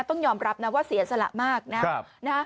ต้องยอมรับนะว่าเสียสละมากนะ